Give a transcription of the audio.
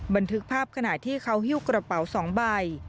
บันทึกภาพขณะที่เขาฮิ้วกระเป๋า๒ใบ